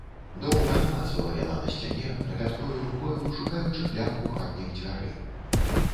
Доўга намацвала яна на сцяне, трапяткою рукою шукаючы клямку хатніх дзвярэй.